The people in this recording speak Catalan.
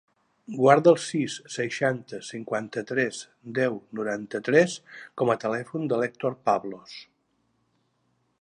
Guarda el sis, seixanta, cinquanta-tres, deu, noranta-tres com a telèfon de l'Hèctor Pablos.